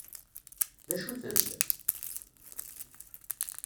D acu-tent?